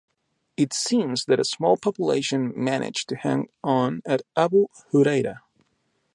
It seems that a small population managed to hang on at Abu Hureyra.